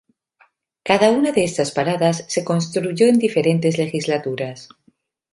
Cada una de estas paradas se construyó en diferentes legislaturas.